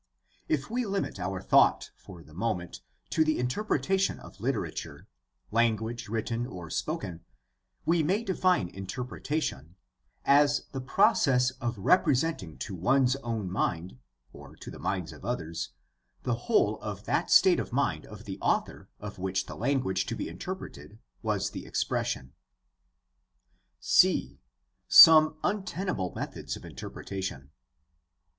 — If we limit our thought for the moment to the interpretation of literature, language written or spoken, we may define interpretation as the process of re presenting to one's own mind (or to the minds of others) the whole of that state of mind of the author of which the language to be interpreted was the expression c) Some untenable methods of interpretation.